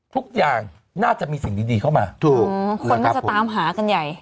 ทุกอย่างน่าจะมีสิ่งดีเข้ามาถูกคนก็จะตามหากันใหญ่